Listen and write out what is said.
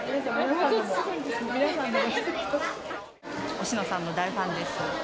おしのさんの大ファンです。